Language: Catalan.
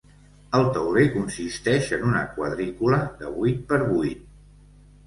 El tauler consisteix en una quadrícula de vuit per vuit.